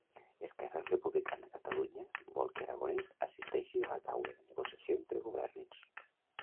Esquerra Republicana Catalunya vol que Aragonès assisteixi a la taula de negociació entre governs